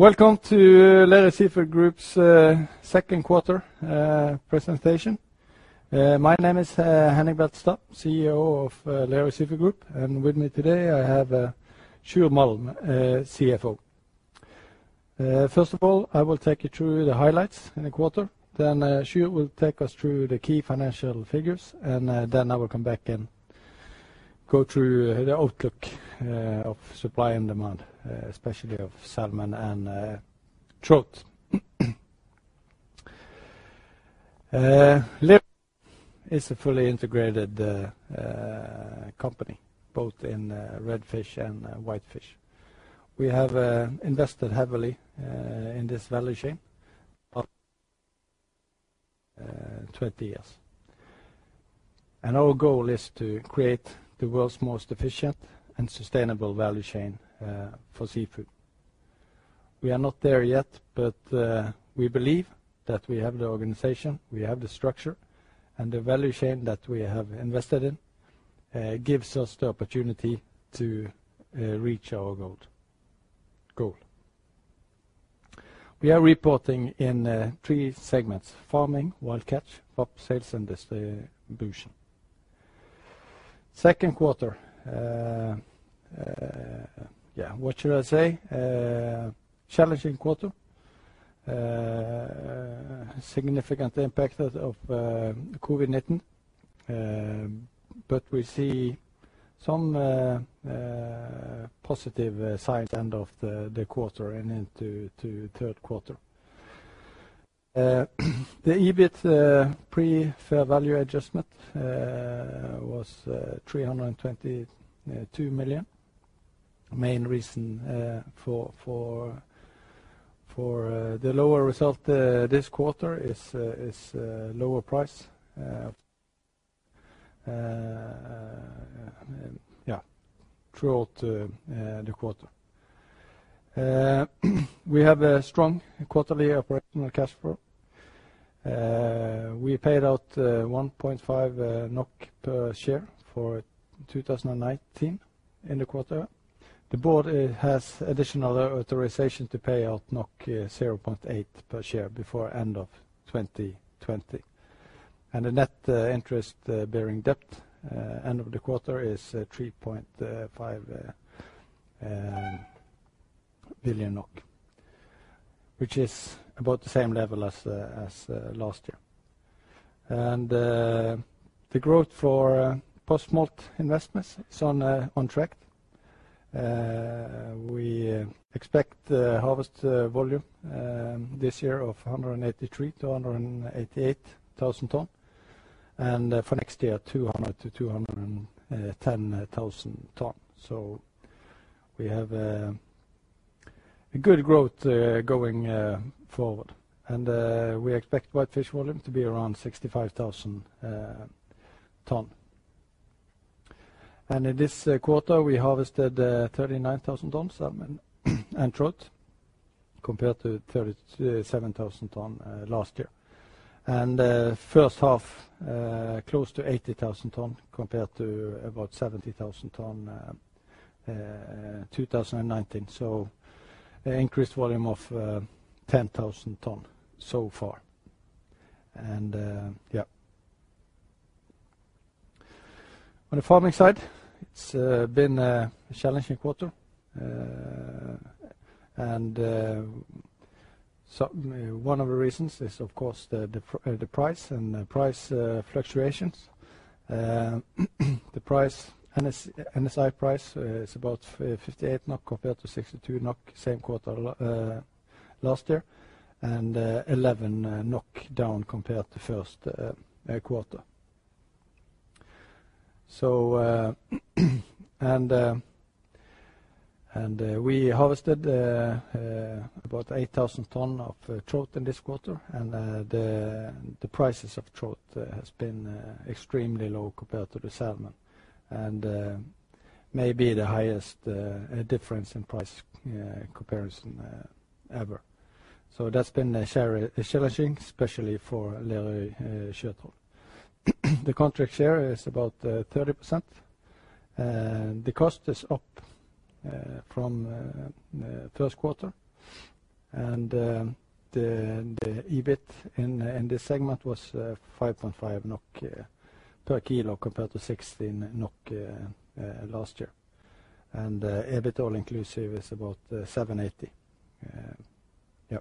Welcome to Lerøy Seafood Group's Second Quarter presentation. My name is Henning Beltestad, CEO of Lerøy Seafood Group, and with me today I have Sjur Malm, CFO. First of all, I will take you through the highlights in the quarter, then Sjur will take us through the key financial figures, and then I will come back and go through the outlook of supply and demand, especially of salmon and trout. Lerøy Seafood Group is a fully integrated company, both in red fish and white fish. We have invested heavily in this value chain for 20 years, and our goal is to create the world's most efficient and sustainable value chain for seafood. We are not there yet, but we believe that we have the organization, we have the structure, and the value chain that we have invested in gives us the opportunity to reach our goal. We are reporting in three segments: farming, wild catch, and sales and distribution. Second quarter, yeah, what should I say? Challenging quarter, significantly impacted by COVID-19, but we see some positive signs at the end of the quarter and into the third quarter. The EBIT pre-fair value adjustment was 322 million. The main reason for the lower result this quarter is lower prices throughout the quarter. We have a strong quarterly operational cash flow. We paid out 1.50 NOK per share for 2019 in the quarter. The board has additional authorization to pay out 0.80 per share before the end of 2020, and the net interest-bearing debt at the end of the quarter is 3.50 billion NOK, which is about the same level as last year. The growth for post-smolt investments is on track. We expect harvest volume this year of 183,000-188,000 tons, and for next year 200,000-210,000 tons. So we have good growth going forward, and we expect white fish volume to be around 65,000 tons. And in this quarter, we harvested 39,000 tons of salmon and trout compared to 37,000 tons last year, and the first half close to 80,000 tons compared to about 70,000 tons in 2019. So an increased volume of 10,000 tons so far. And yeah. On the farming side, it's been a challenging quarter, and one of the reasons is, of course, the price and the price fluctuations. The NSI price is about 58 NOK compared to 62 NOK same quarter last year, and 11 NOK down compared to the first quarter. And we harvested about 8,000 tons of trout in this quarter, and the prices of trout have been extremely low compared to the salmon, and maybe the highest difference in price comparison ever. So that's been challenging, especially for Lerøy Seafood Group. The contract share is about 30%. The cost is up from the first quarter, and the EBIT in this segment was 5.50 NOK per kilo compared to 16 NOK last year, and EBIT all-inclusive is about 780. Yeah.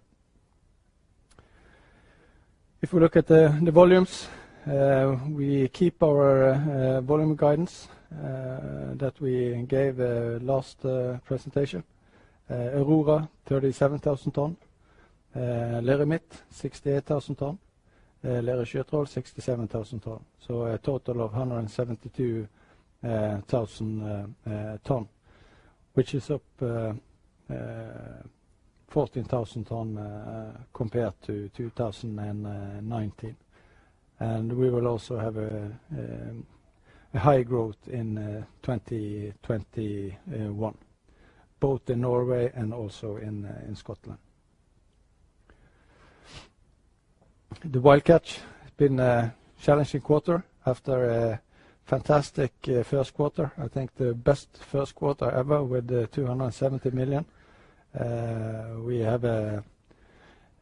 If we look at the volumes, we keep our volume guidance that we gave last presentation: Aurora 37,000 tons, Lerøy Midt 68,000 tons, Lerøy Sjøtroll 67,000 tons. So a total of 172,000 tons, which is up 14,000 tons compared to 2019. And we will also have a high growth in 2021, both in Norway and also in Scotland. The wild catch has been a challenging quarter after a fantastic first quarter. I think the best first quarter ever with 270 million. We have a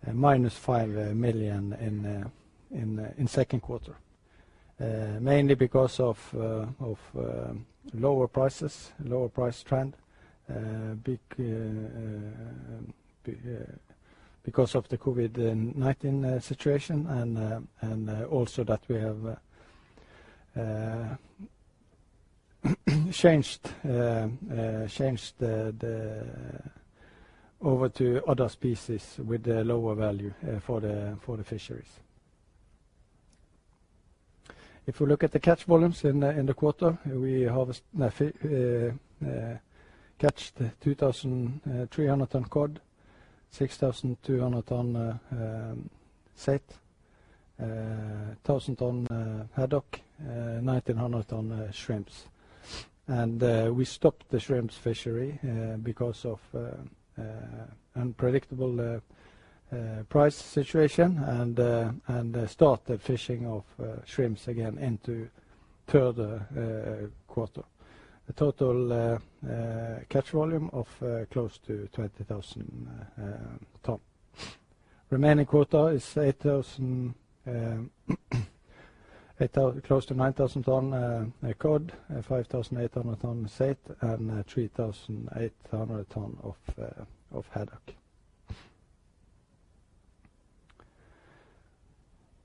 -5 million in the second quarter, mainly because of lower prices, lower price trend, because of the COVID-19 situation, and also that we have changed over to other species with lower value for the fisheries. If we look at the catch volumes in the quarter, we harvested caught 2,300 tons cod, 6,200 tons saithe, 1,000 tons haddock, 1,900 tons shrimps. We stopped the shrimps fishery because of an unpredictable price situation and started fishing of shrimps again into the third quarter. The total catch volume was close to 20,000 tons. The remaining quarter is close to 9,000 tons cod, 5,800 tons saithe, and 3,800 tons of haddock.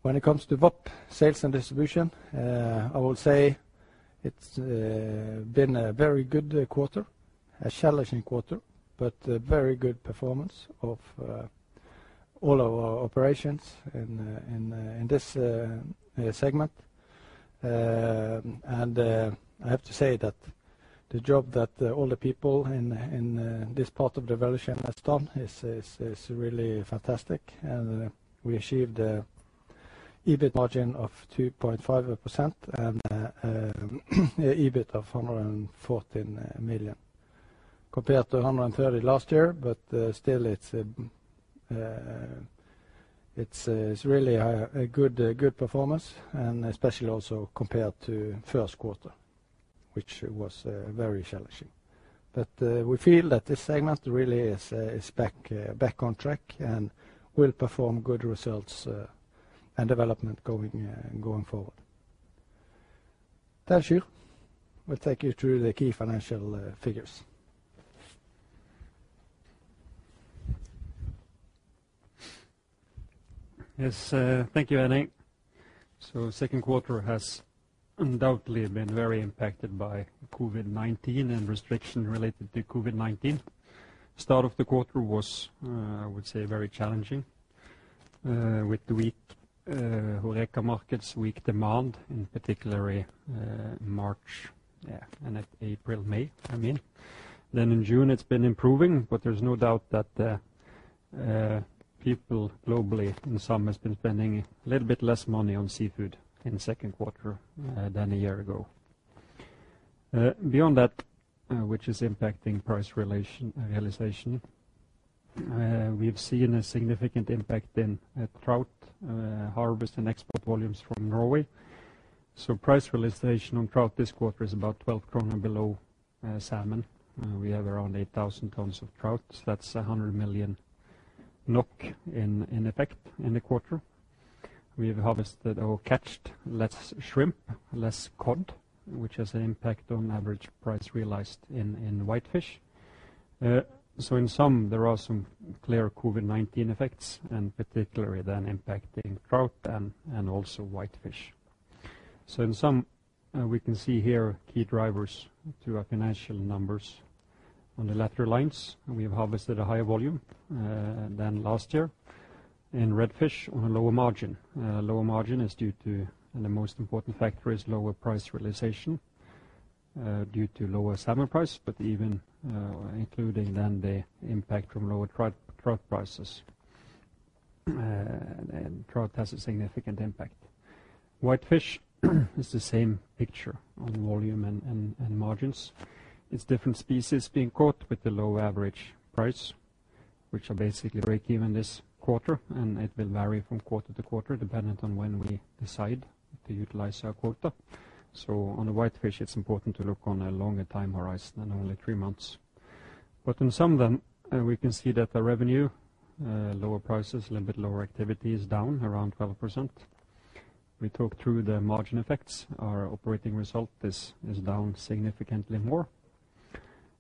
When it comes to VAP sales and distribution, I will say it's been a very good quarter, a challenging quarter, but very good performance of all our operations in this segment. And I have to say that the job that all the people in this part of the value chain have done is really fantastic, and we achieved an EBIT margin of 2.50% and an EBIT of 114 million compared to 130 last year, but still it's really a good performance, and especially also compared to the first quarter, which was very challenging. But we feel that this segment really is back on track and will perform good results and development going forward. Thank you. I will take you through the key financial figures. Yes, thank you, Henning. So the second quarter has undoubtedly been very impacted by COVID-19 and restrictions related to COVID-19. The start of the quarter was, I would say, very challenging with the weak Horeca markets, weak demand, in particular in March, yeah, and April, May, I mean. Then in June, it's been improving, but there's no doubt that people globally in some have been spending a little bit less money on seafood in the second quarter than a year ago. Beyond that, which is impacting price realization, we've seen a significant impact in trout harvest and export volumes from Norway. So price realization on trout this quarter is about 12 kroner below salmon. We have around 8,000 tons of trout. That's 100 million NOK in effect in the quarter. We've harvested or caught less shrimp, less cod, which has an impact on average price realized in white fish. So in sum, there are some clear COVID-19 effects, and particularly then impacting trout and also white fish. So in sum, we can see here key drivers to our financial numbers on the latter lines. We have harvested a higher volume than last year in red fish on a lower margin. Lower margin is due to, and the most important factor is lower price realization due to lower salmon price, but even including then the impact from lower trout prices. And trout has a significant impact. White fish is the same picture on volume and margins. It's different species being caught with the low average price, which are basically breakeven this quarter, and it will vary from quarter to quarter dependent on when we decide to utilize our quota. So on the white fish, it's important to look on a longer time horizon than only three months. But in some of them, we can see that the revenue, lower prices, a little bit lower activity is down around 12%. We talked through the margin effects. Our operating result is down significantly more,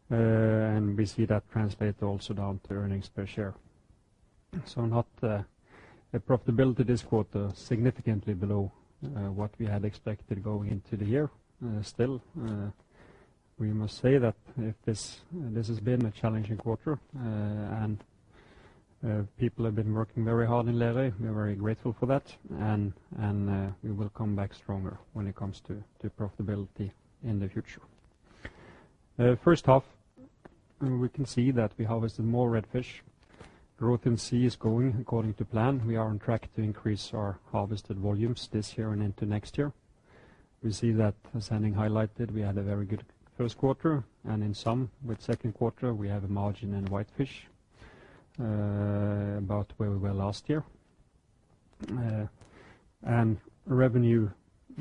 and we see that translate also down to earnings per share. So not profitability this quarter is significantly below what we had expected going into the year. Still, we must say that this has been a challenging quarter, and people have been working very hard in Lerøy. We're very grateful for that, and we will come back stronger when it comes to profitability in the future. First half, we can see that we harvested more red fish. Growth in sea is going according to plan. We are on track to increase our harvested volumes this year and into next year. We see that, as Henning highlighted, we had a very good first quarter, and in sum, with the second quarter, we have a margin in white fish about where we were last year. And revenue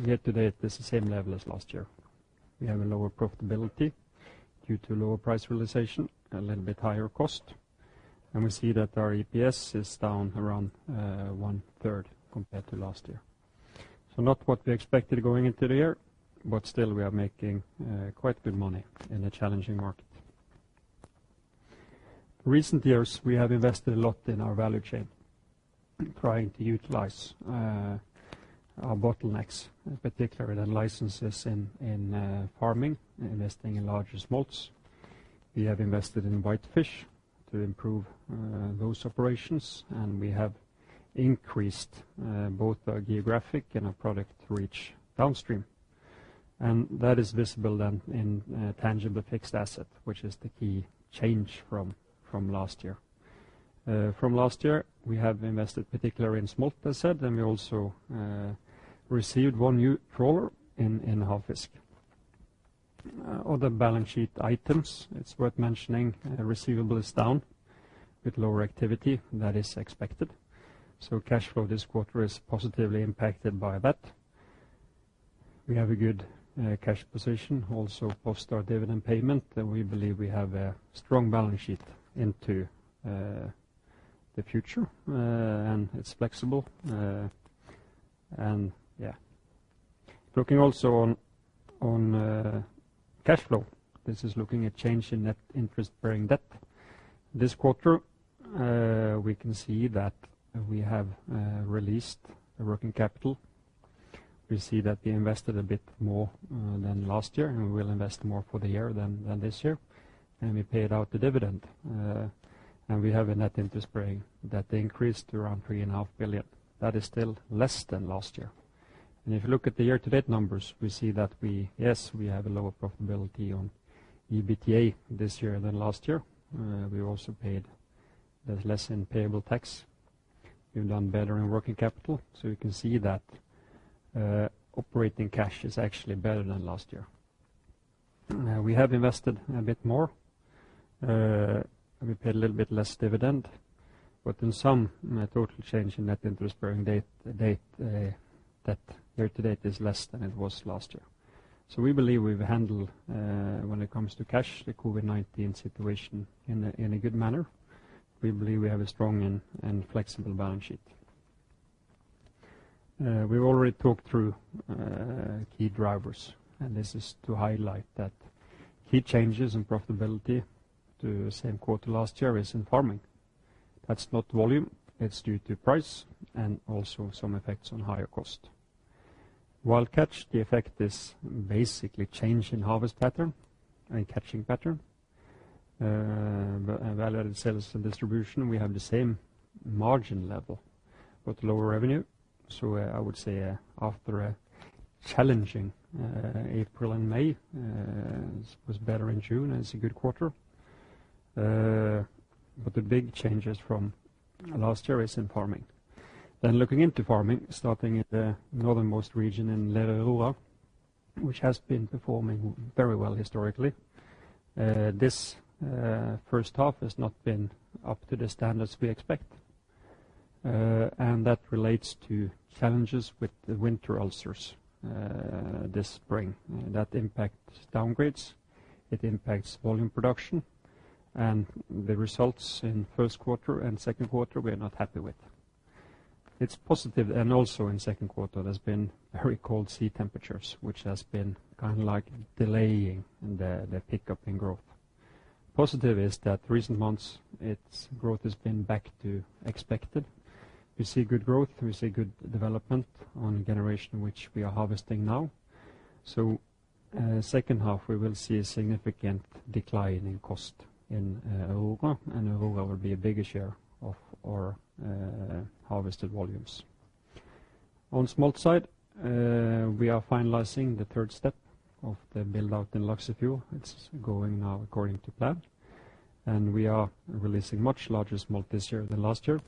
year to date is the same level as last year. We have a lower profitability due to lower price realization, a little bit higher cost, and we see that our EPS is down around one-third compared to last year. So not what we expected going into the year, but still we are making quite good money in a challenging market. In recent years, we have invested a lot in our value chain, trying to utilize our bottlenecks, particularly the licenses in farming, investing in larger smolts. We have invested in white fish to improve those operations, and we have increased both our geographic and our product reach downstream. That is visible then in tangible fixed asset, which is the key change from last year. From last year, we have invested particularly in smolt asset, and we also received one new trawler in harvest. Other balance sheet items, it's worth mentioning, receivables down with lower activity than is expected. Cash flow this quarter is positively impacted by that. We have a good cash position also post our dividend payment, and we believe we have a strong balance sheet into the future, and it's flexible. Yeah. Looking also on cash flow, this is looking at change in net interest-bearing debt. This quarter, we can see that we have released a working capital. We see that we invested a bit more than last year, and we will invest more for the year than this year, and we paid out the dividend. We have a net interest-bearing debt increased to around 3.5 billion. That is still less than last year. If you look at the year-to-date numbers, we see that we, yes, we have a lower profitability on EBITA this year than last year. We also paid less in payable tax. We've done better in working capital, so you can see that operating cash is actually better than last year. We have invested a bit more. We paid a little bit less dividend, but in sum, total change in net interest-bearing debt year to date is less than it was last year. We believe we've handled, when it comes to cash, the COVID-19 situation in a good manner. We believe we have a strong and flexible balance sheet. We've already talked through key drivers, and this is to highlight that key changes in profitability to the same quarter last year is in farming. That's not volume. It's due to price and also some effects on higher cost. Wild catch, the effect is basically change in harvest pattern and catching pattern. Value added sales and distribution, we have the same margin level, but lower revenue. So I would say after a challenging April and May, it was better in June. It's a good quarter. But the big changes from last year is in farming. Looking into farming, starting in the northernmost region in Lerøy, which has been performing very well historically. This first half has not been up to the standards we expect, and that relates to challenges with the winter ulcers this spring. That impacts downgrades. It impacts volume production, and the results in first quarter and second quarter we're not happy with. It's positive, and also in second quarter, there's been very cold sea temperatures, which has been kind of like delaying the pickup in growth. Positive is that recent months, its growth has been back to expected. We see good growth. We see good development on the generation which we are harvesting now. So second half, we will see a significant decline in cost in Aurora, and Aurora will be a bigger share of our harvested volumes. On the smolt side, we are finalizing the third step of the build-out in Laksefjord. It's going now according to plan, and we are releasing much larger smolt this year than last year.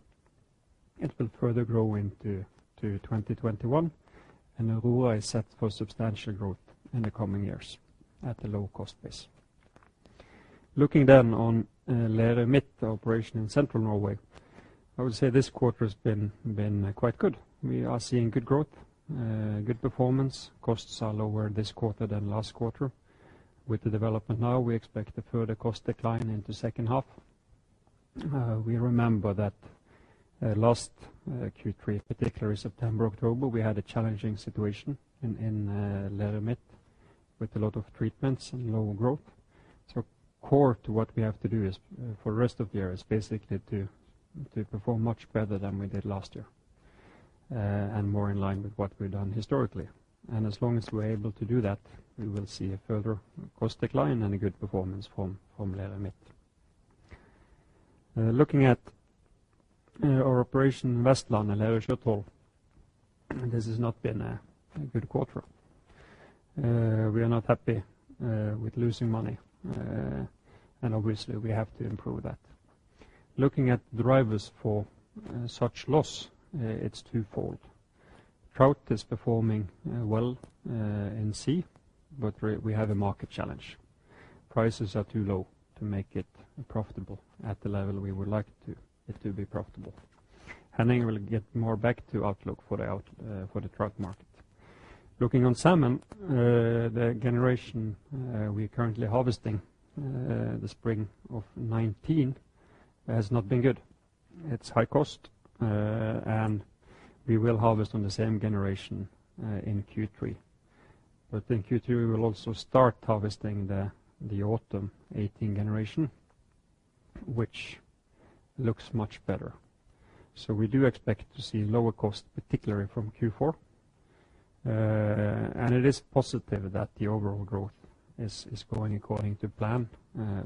It will further grow into 2021, and Aurora is set for substantial growth in the coming years at a low cost base. Looking then on Lerøy Midt operation in central Norway, I would say this quarter has been quite good. We are seeing good growth, good performance. Costs are lower this quarter than last quarter. With the development now, we expect a further cost decline into second half. We remember that last Q3, particularly September, October, we had a challenging situation in Lerøy Midt with a lot of treatments and lower growth. So core to what we have to do for the rest of the year is basically to perform much better than we did last year and more in line with what we've done historically. And as long as we're able to do that, we will see a further cost decline and a good performance from Lerøy Midt. Looking at our operation in Vestland and Lerøy Sjøtroll, this has not been a good quarter. We are not happy with losing money, and obviously, we have to improve that. Looking at drivers for such loss, it's twofold. Trout is performing well in sea, but we have a market challenge. Prices are too low to make it profitable at the level we would like it to be profitable. Henning will get more back to outlook for the trout market. Looking on salmon, the generation we're currently harvesting the spring of 2019 has not been good. It's high cost, and we will harvest on the same generation in Q3. But in Q3, we will also start harvesting the autumn 2018 generation, which looks much better. So we do expect to see lower cost, particularly from Q4. And it is positive that the overall growth is going according to plan.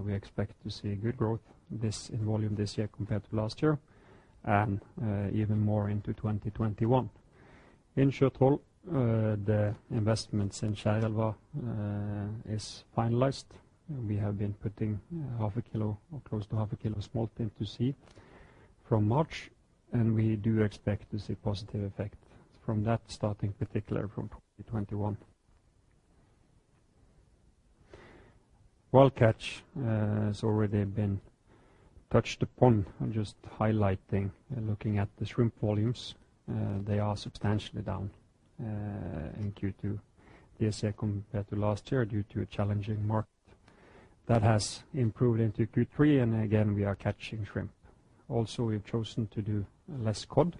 We expect to see good growth in volume this year compared to last year and even more into 2021. In Sjøtroll, the investments in Kjærelva is finalized. We have been putting half a kilo or close to half a kilo of smolt into sea from March, and we do expect to see positive effects from that starting, particularly from 2021. Wild catch has already been touched upon. I'm just highlighting looking at the shrimp volumes. They are substantially down in Q2 this year compared to last year due to a challenging market. That has improved into Q3, and again, we are catching shrimp. Also, we've chosen to do less cod.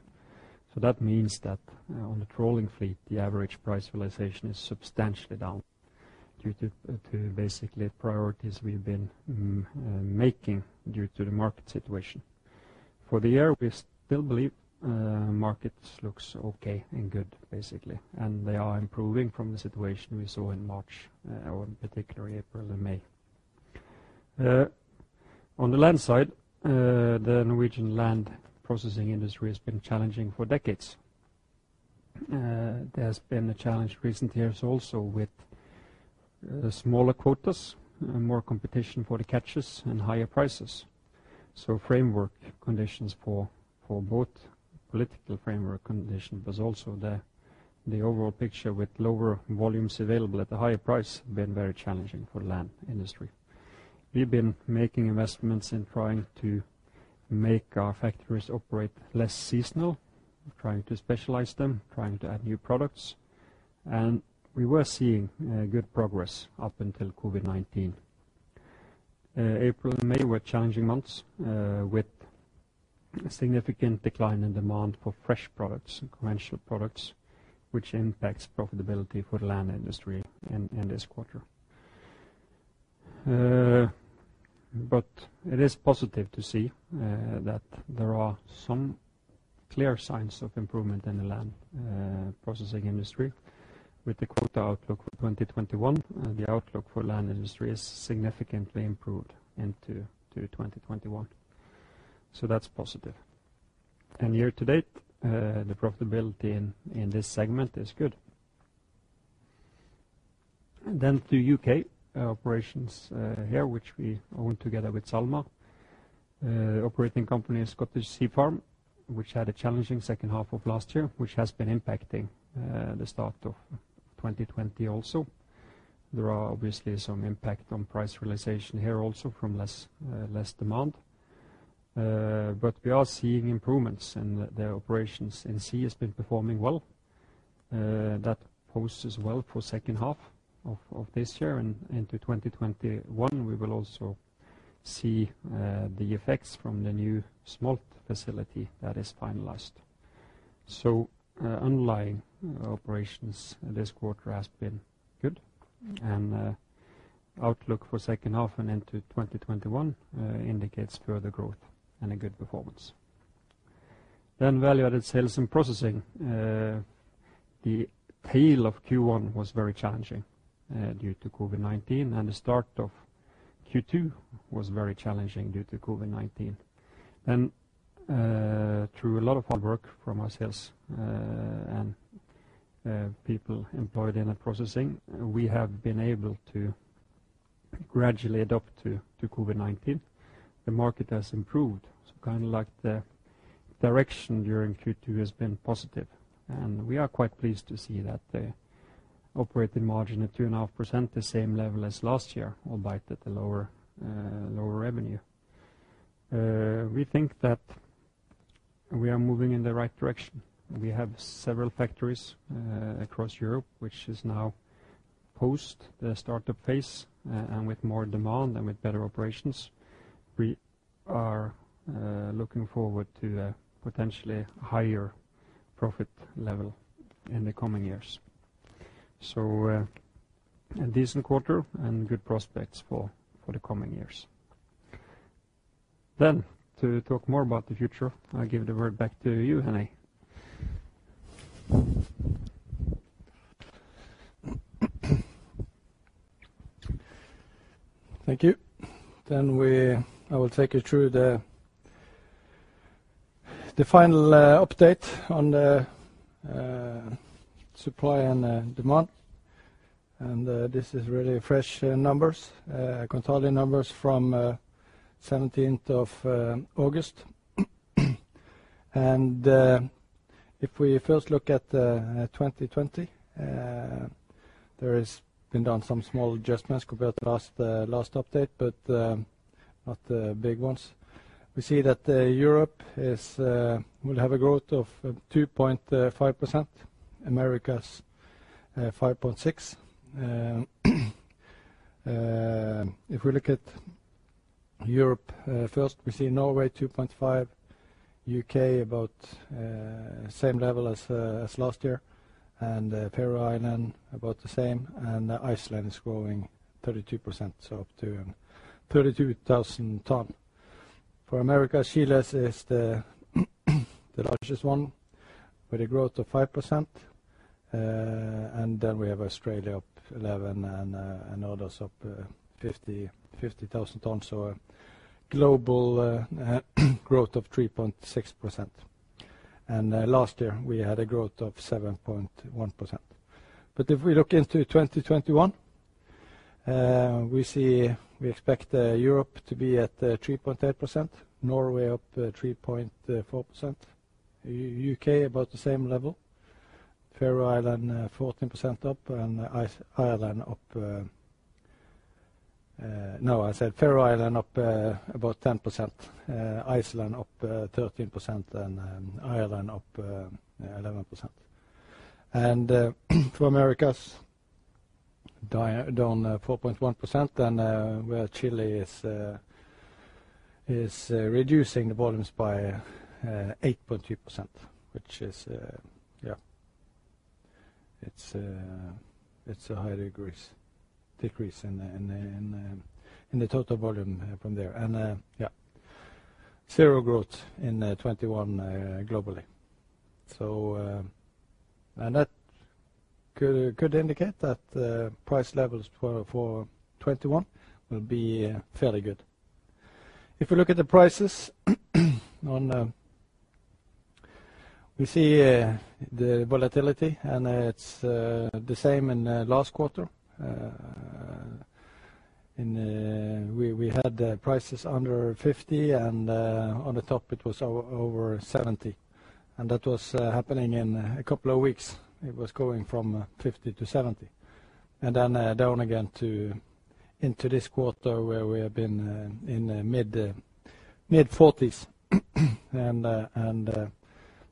So that means that on the trawling fleet, the average price realization is substantially down due to basically priorities we've been making due to the market situation. For the year, we still believe the market looks okay and good, basically, and they are improving from the situation we saw in March, particularly April and May. On the land side, the Norwegian land processing industry has been challenging for decades. There has been a challenge recent years also with smaller quotas, more competition for the catches, and higher prices. So framework conditions for both political framework conditions, but also the overall picture with lower volumes available at a higher price have been very challenging for the land industry. We've been making investments in trying to make our factories operate less seasonal, trying to specialize them, trying to add new products, and we were seeing good progress up until COVID-19. April and May were challenging months with a significant decline in demand for fresh products and conventional products, which impacts profitability for the land industry in this quarter. But it is positive to see that there are some clear signs of improvement in the land processing industry. With the quota outlook for 2021, the outlook for land industry is significantly improved into 2021. So that's positive. And year to date, the profitability in this segment is good. Then to U.K. operations here, which we own together with SalMar. Operating company is Scottish Sea Farms, which had a challenging second half of last year, which has been impacting the start of 2020 also. There are obviously some impacts on price realization here also from less demand. But we are seeing improvements, and the operations in sea have been performing well. That poses well for second half of this year and into 2021. We will also see the effects from the new smolt facility that is finalized. So underlying operations this quarter has been good, and outlook for second half and into 2021 indicates further growth and a good performance. Then value added sales and processing. The tail of Q1 was very challenging due to COVID-19, and the start of Q2 was very challenging due to COVID-19. Then through a lot of hard work from ourselves and people employed in processing, we have been able to gradually adapt to COVID-19. The market has improved. So kind of like the direction during Q2 has been positive, and we are quite pleased to see that the operating margin at 2.5%, the same level as last year, albeit at a lower revenue. We think that we are moving in the right direction. We have several factories across Europe, which is now post the startup phase and with more demand and with better operations. We are looking forward to a potentially higher profit level in the coming years. So a decent quarter and good prospects for the coming years. Then to talk more about the future, I'll give the word back to you, Henning. Thank you. Then I will take you through the final update on the supply and demand. And this is really fresh numbers, quarterly numbers from 17th of August. And if we first look at 2020, there have been done some small adjustments compared to last update, but not the big ones. We see that Europe will have a growth of 2.5%, Americas 5.6%. If we look at Europe first, we see Norway 2.5%, U.K. about the same level as last year, and the Faroe Islands about the same, and Iceland is growing 32%, so up to 32,000 tons. For Americas, Chile is the largest one with a growth of 5%, and then we have Australia up 11% and others up 50,000 tons. So a global growth of 3.6%. And last year, we had a growth of 7.1%. But if we look into 2021, we expect Europe to be at 3.8%, Norway up 3.4%, U.K. about the same level, Faroe Islands 14% up, and Ireland up. No, I said Faroe Islands up about 10%, Iceland up 13%, and Ireland up 11%. And for Americas, down 4.1%, and where Chile is reducing the volumes by 8.2%, which is, yeah, it's a higher decrease in the total volume from there. And yeah, zero growth in 2021 globally. And that could indicate that price levels for 2021 will be fairly good. If we look at the prices, we see the volatility, and it's the same in last quarter. We had prices under 50, and on the top, it was over 70. And that was happening in a couple of weeks. It was going from 50 to 70, and then down again into this quarter where we have been in the mid-40s.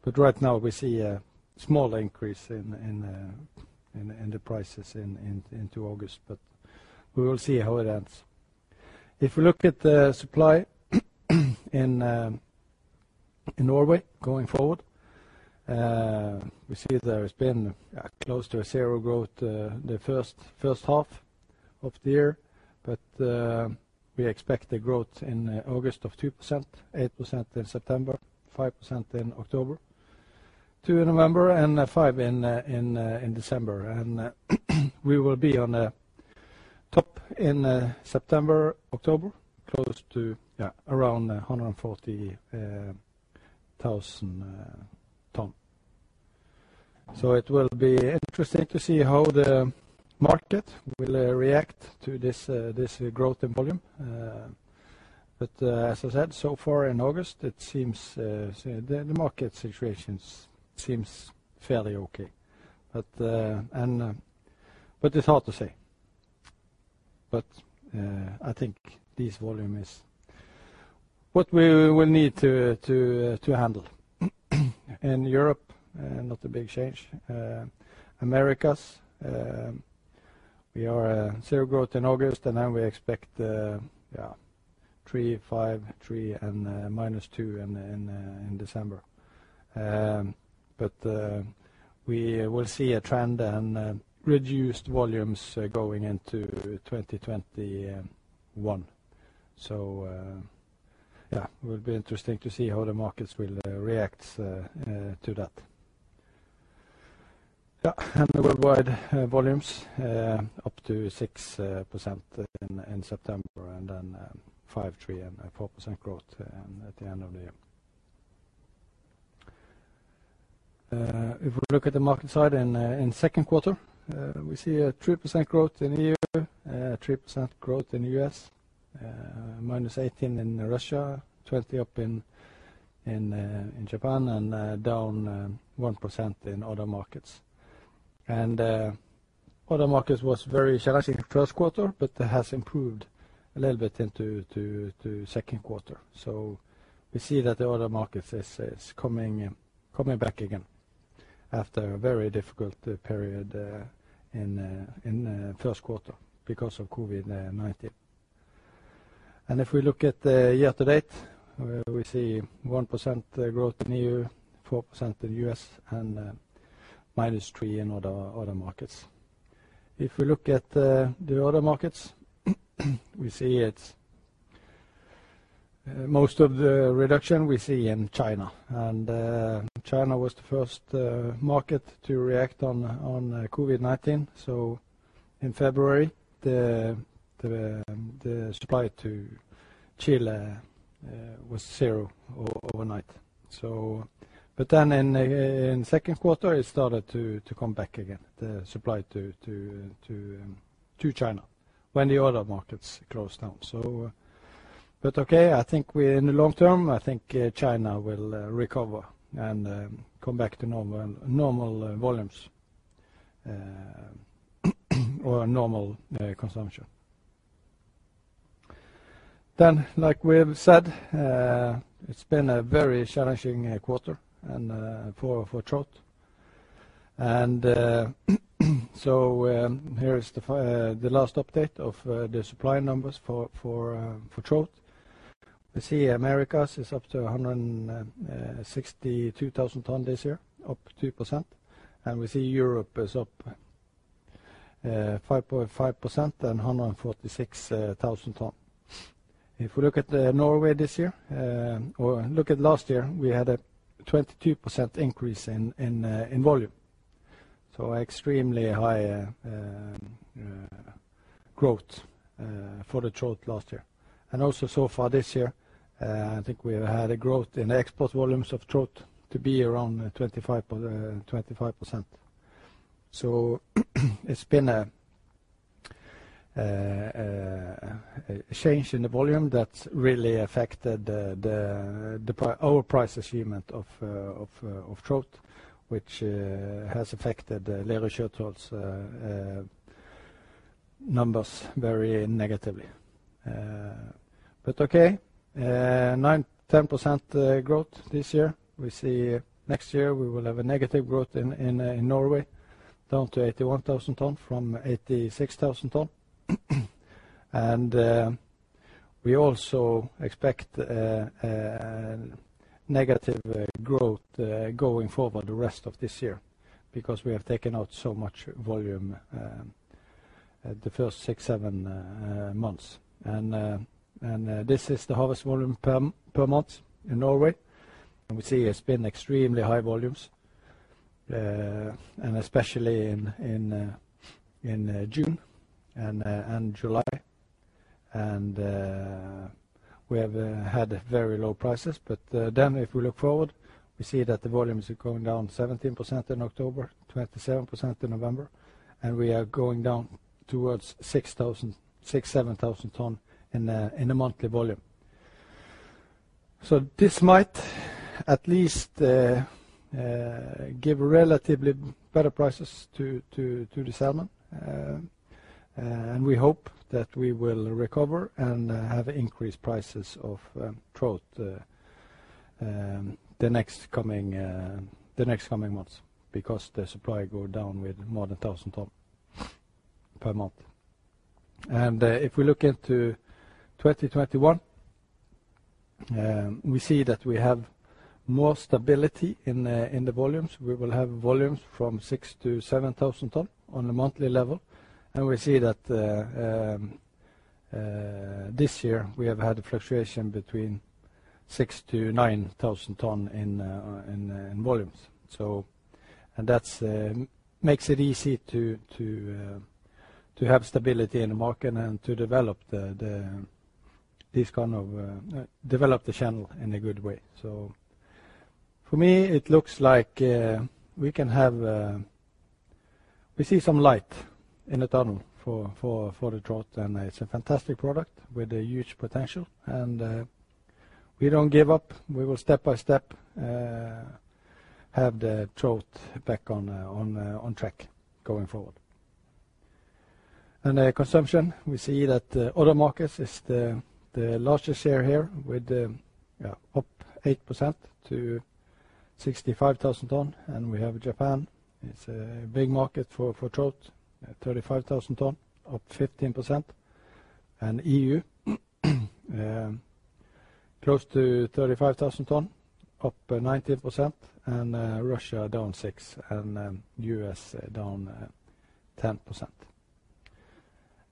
But right now, we see a small increase in the prices into August, but we will see how it ends. If we look at the supply in Norway going forward, we see there has been close to a zero growth the first half of the year, but we expect the growth in August of 2%, 8% in September, 5% in October, 2% in November, and 5% in December. And we will be on the top in September, October, close to around 140,000 ton. So it will be interesting to see how the market will react to this growth in volume. But as I said, so far in August, the market situation seems fairly okay. But it's hard to say. But I think this volume is what we will need to handle. In Europe, not a big change. Americas, we are zero growth in August, and then we expect 3%, 5%, 3%, and -2% in December. But we will see a trend and reduced volumes going into 2021. So yeah, it will be interesting to see how the markets will react to that. Yeah, and the worldwide volumes up to 6% in September, and then 5%, 3%, and 4% growth at the end of the year. If we look at the market side in second quarter, we see a 3% growth in EU, 3% growth in the U.S., -18% in Russia, 20% up in Japan, and down 1% in other markets. And other markets was very challenging first quarter, but has improved a little bit into second quarter. So we see that the other markets is coming back again after a very difficult period in first quarter because of COVID-19. And if we look at year to date, we see 1% growth in EU, 4% in U.S., and -3% in other markets. If we look at the other markets, we see most of the reduction we see in China. And China was the first market to react to COVID-19. So in February, the supply to China was zero overnight. But then in second quarter, it started to come back again, the supply to China when the other markets closed down. But okay, I think in the long term, I think China will recover and come back to normal volumes or normal consumption. Like we've said, it's been a very challenging quarter for trout. Here is the last update of the supply numbers for trout. We see Americas is up to 162,000 ton this year, up 2%. We see Europe is up 5.5% and 146,000 ton. If we look at Norway this year, or look at last year, we had a 22% increase in volume. Extremely high growth for the trout last year. Also so far this year, I think we have had a growth in the export volumes of trout to be around 25%. It's been a change in the volume that's really affected our price achievement of trout, which has affected Lerøy Sjøtroll's numbers very negatively. Okay, 10% growth this year. We see next year we will have a negative growth in Norway, down to 81,000 ton from 86,000 ton. We also expect negative growth going forward the rest of this year because we have taken out so much volume the first six, seven months. This is the harvest volume per month in Norway. We see it's been extremely high volumes, and especially in June and July. We have had very low prices. Then if we look forward, we see that the volumes are going down 17% in October, 27% in November, and we are going down towards 6,000-7,000 tons in the monthly volume. This might at least give relatively better prices to the salmon. We hope that we will recover and have increased prices of trout the next coming months because the supply goes down with more than 1,000 tons per month. If we look into 2021, we see that we have more stability in the volumes. We will have volumes from 6-7,000 tons on the monthly level. And we see that this year we have had a fluctuation between 6-9,000 tons in volumes. And that makes it easy to have stability in the market and to develop this kind of channel in a good way. So for me, it looks like we see some light in the tunnel for the trout, and it's a fantastic product with a huge potential. And we don't give up. We will step by step have the trout back on track going forward. And consumption, we see that other markets is the largest share here with up 8% to 65,000 tons. And we have Japan. It's a big market for trout, 35,000 tons, up 15%. And EU, close to 35,000 tons, up 19%. And Russia down 6%, and U.S. down 10%.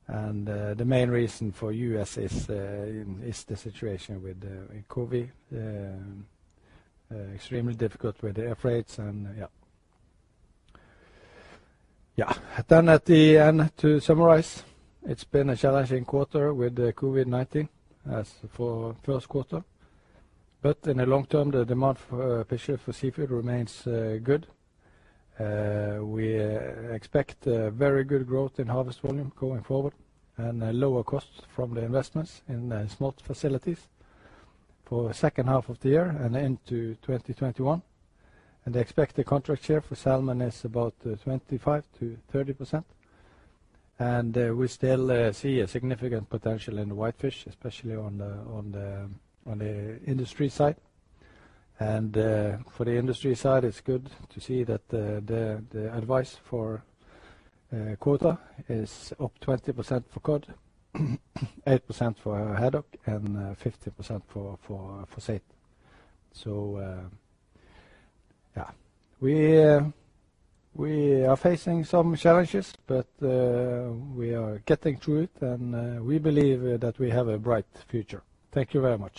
The main reason for U.S. is the situation with COVID, extremely difficult with the airfreights. At the end, to summarize, it's been a challenging quarter with COVID-19 for first quarter. In the long term, the demand for seafood remains good. We expect very good growth in harvest volume going forward and lower costs from the investments in smolt facilities for the second half of the year and into 2021. They expect the contract share for salmon is about 25%-30%. We still see a significant potential in the whitefish, especially on the industry side. For the industry side, it's good to see that the advice for quota is up 20% for cod, 8% for haddock, and 50% for saithe. Yeah, we are facing some challenges, but we are getting through it, and we believe that we have a bright future. Thank you very much.